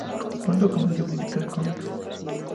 Pronto comenzó a publicar cómics.